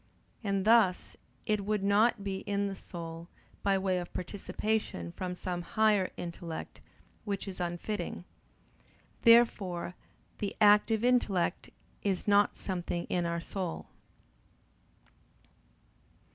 And thus it would not be in the soul by way of participation from some higher intellect: which is unfitting. Therefore the active intellect is not something in our soul.